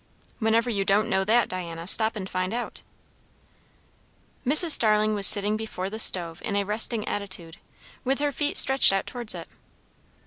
"When ever you don't know that, Diana, stop and find out." Mrs. Starling was sitting before the stove in a resting attitude, with her feet stretched out towards it.